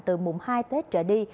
từ mùng hai tết trở đi